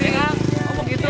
ya kang kamu gitu